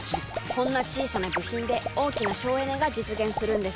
こんな小さな部品で大きな省エネが実現するのです。